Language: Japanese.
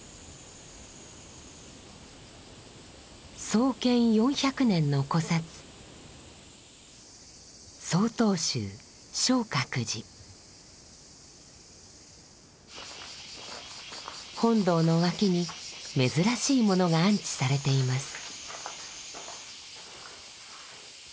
創建４００年の古刹本堂の脇に珍しいものが安置されています。